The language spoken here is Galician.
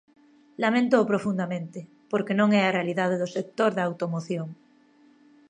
Laméntoo profundamente, porque non é a realidade do sector da automoción.